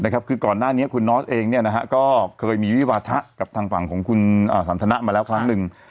คือก่อนหน้านี้คุณนอสเองก็เคยมีวิวาทะกับทางฝั่งของคุณสันทนะมาแล้วครั้งหนึ่ง